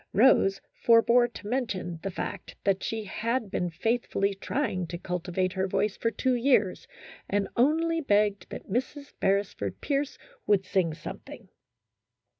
Rose forbore to mention the fact that she had been faith fully trying to cultivate her voice for two years, and 214 THE HISTORY OF A HAPPY THOUGHT. only begged that Mrs. Beresford Pierce would sing something.